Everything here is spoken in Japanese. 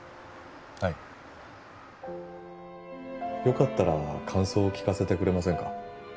はいよかったら感想を聞かせてくれませんか？